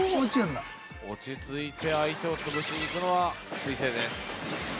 落ち着いて相手を潰しにいくのは彗星です。